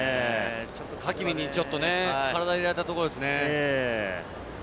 ハキミにちょっとね、体を入れられたところですね。